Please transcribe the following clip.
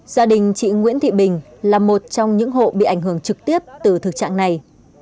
gia đình chị nguyễn thị bình là một trong những hộ bị ảnh hưởng trực tiếp từ thực trạng này